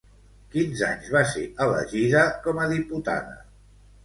Quins anys va ser elegida com a diputada?